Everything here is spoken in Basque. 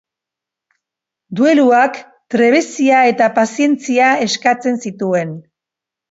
Dueluak trebezia eta pazientzia eskatzen zituen.